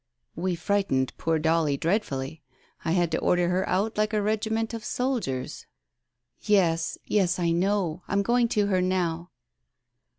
" We frightened poor Dolly dreadfully. I had to order her out like a regiment of soldiers." "Yes, I know. I'm going to her now."